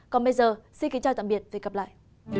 còn bây giờ xin kính chào tạm biệt và hẹn gặp lại